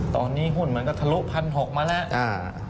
ตอนนี้หุ้นมันก็ทะลุ๑๖๐๐มาแล้ว